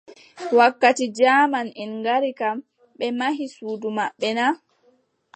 Wakkati jaamaʼen ngari kam, ɓe mahi suudu maɓɓe na ?